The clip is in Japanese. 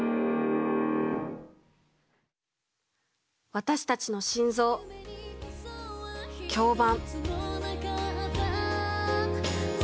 私たちの心臓響板。